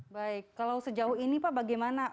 baik kalau sejauh ini pak bagaimana